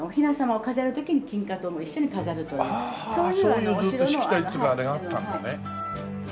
そういうずっとしきたりっていうかあれがあったんだね。